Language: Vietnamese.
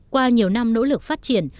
qua nhiều năm nỗ lực phát triển